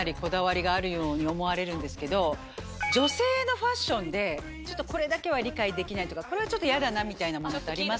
ように思われるんですけど女性のファッションでちょっとこれだけは理解できないとかこれはちょっと嫌だなみたいなものってあります？